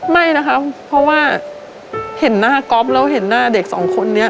ไม่นะคะเพราะว่าเห็นหน้าก๊อฟแล้วเห็นหน้าเด็กสองคนนี้